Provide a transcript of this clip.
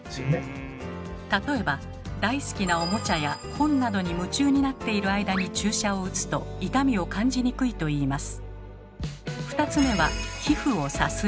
例えば大好きなおもちゃや本などに夢中になっている間に注射を打つと痛みを感じにくいといいます。